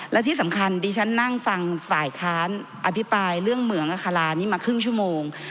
และที่สำคัญดิฉันนั่งฟังฝ่ายค้านอภิปรายเรื่องเหมืองอาคารานี้มาครึ่งชั่วโมง